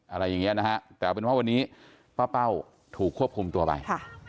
อะไรอย่างนี้นะฮะแต่เอาเป็นว่าวันนี้ป้าเป้าถูกควบคุมตัวไป